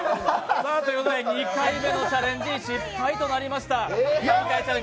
ということで２回目のチャレンジ失敗となりました。